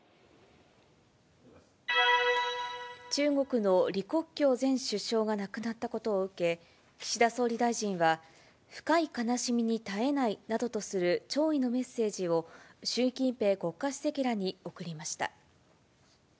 中国の李克強前首相が亡くなったことを受け、岸田総理大臣は、深い悲しみに堪えないなどとする弔意のメッセージを、習近平国家主席らに送りました。